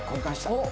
おっ。